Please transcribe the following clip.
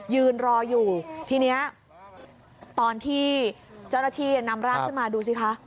ยืนรออยู่ทีนี้ตอนที่เจ้าหน้าที่นำร่างขึ้นมาดูสิคะ